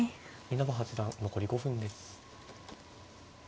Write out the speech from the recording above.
稲葉八段残り５分です。